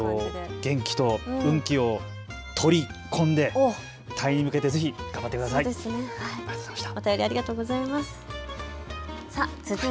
元気と勇気を取り込んで退院に向けてぜひ頑張ってください。